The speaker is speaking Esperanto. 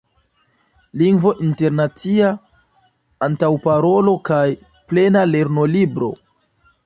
Lingvo Internacia, Antaŭparolo kaj Plena Lernolibro.